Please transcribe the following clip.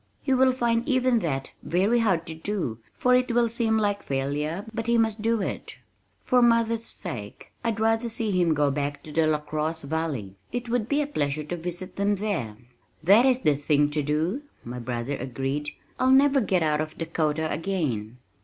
He will find even that very hard to do for it will seem like failure but he must do it. For mother's sake I'd rather see him go back to the LaCrosse valley. It would be a pleasure to visit them there." "That is the thing to do," my brother agreed. "I'll never get out to Dakota again."